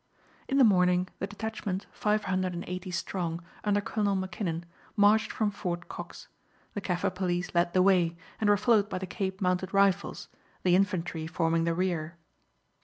In the morning the detachment, five hundred and eighty strong, under Colonel Mackinnon, marched from Fort Cox. The Kaffir police led the way, and were followed by the Cape Mounted Rifles, the infantry forming the rear.